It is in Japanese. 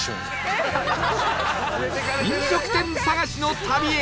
飲食店探しの旅へ！